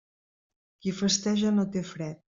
Qui festeja no té fred.